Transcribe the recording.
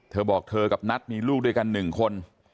เธอบอกเธอกับนัทมีลูกด้วยกัน๑คน